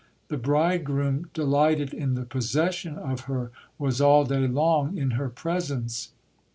The bridegroom, delighted in the possession of her, was all day long in her presence.